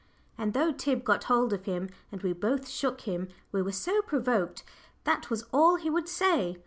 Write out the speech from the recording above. And though Tib got hold of him, and we both shook him we were so provoked, that was all he would say.